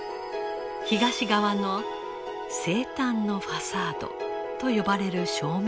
東側の生誕のファサードと呼ばれる正面です。